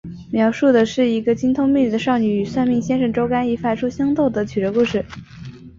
描述的是一个精通命理的少女与算命先生周干以术法相斗的曲折故事。